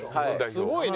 すごいね。